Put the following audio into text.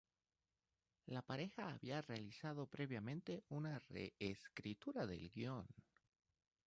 La pareja había realizado previamente una reescritura del guion.